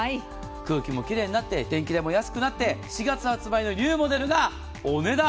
空気も奇麗になって電気代も安くなって４月発売のニューモデルがお値段。